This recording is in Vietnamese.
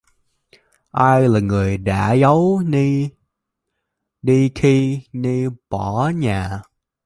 Ai là người đã giấu Nhi đi khi Nhi bỏ nhà